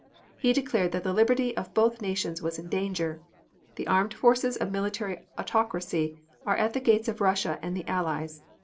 He declared that the liberty of both nations was in danger. "The armed forces of military autocracy are at the gates of Russia and the Allies.